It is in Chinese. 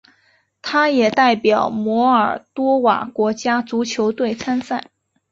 他也代表摩尔多瓦国家足球队参赛。